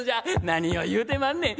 「何を言うてまんねん。